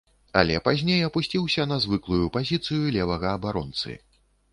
Але пазней апусціўся на звыклую пазіцыю левага абаронцы.